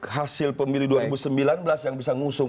hasil pemilih dua ribu sembilan belas yang bisa ngusung